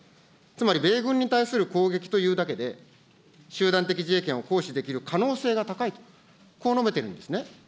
つまり米軍に対する攻撃というだけで、集団的自衛権を行使できる可能性が高いと、こう述べてるんですね。